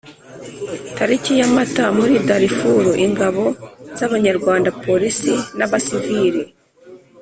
Tariki ya Mata Muri Darfur ingabo z Abanyarwanda Polisi n abasiviri